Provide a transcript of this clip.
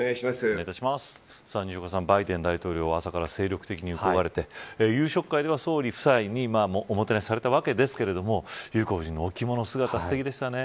西岡さん、バイデン大統領は朝から精力的に動かれて夕食会では総理夫妻におもてなしされたわけですが裕子夫人のお着物姿すてきでしたね。